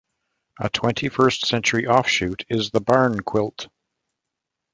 A twenty-first-century offshoot is the barn quilt.